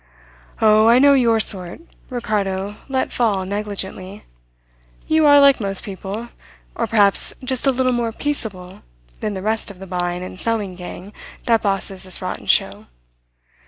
"Oh, I know your sort," Ricardo let fall negligently. "You are like most people or perhaps just a little more peaceable than the rest of the buying and selling gang that bosses this rotten show.